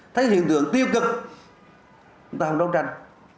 thấy hiện tượng tiêu cực chúng ta không đấu tranh